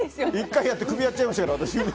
１回やって首やっちゃいましたけど、私。